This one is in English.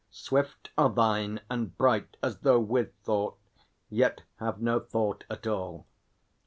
Swift are thine, and bright As though with thought, yet have no thought at all.